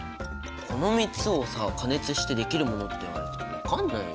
この３つをさ加熱してできるものって言われても分かんないよ。